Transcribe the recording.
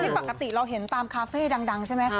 ปกติเราเห็นตามคาเฟ่ดังใช่ไหม